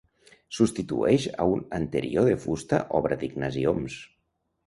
Substitueix a un anterior de fusta obra d'Ignasi Oms.